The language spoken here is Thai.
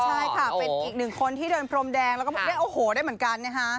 ใช่ค่ะเป็นอีกหนึ่งคนที่เดินพรมแดงแล้วก็ได้โอ้โหได้เหมือนกันนะคะ